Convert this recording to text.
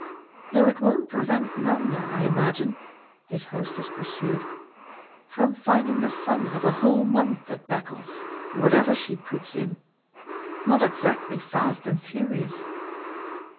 "Though it won't prevent Nanda, I imagine," his hostess pursued, "from finding the fun of a whole month at Beccles or whatever she puts in not exactly fast and furious."